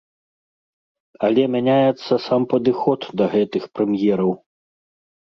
Але мяняецца сам падыход да гэтых прэм'ераў.